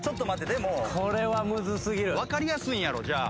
でも分かりやすいんやろじゃあ。